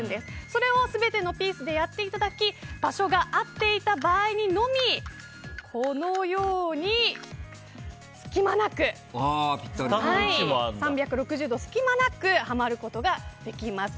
それを全てのピースでやっていただき場所が合っていた場合にのみこのように隙間なく３６０度隙間なくはまることができます。